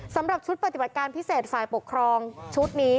สำหรับชุดปฏิบัติการพิเศษฝ่ายปกครองชุดนี้